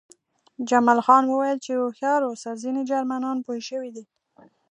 جمال خان وویل چې هوښیار اوسه ځینې جرمنان پوه شوي دي